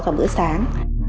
cả bữa sáng